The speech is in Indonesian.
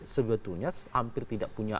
sebetulnya hampir tidak punya